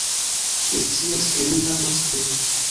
Mi scias ke mi amas vin.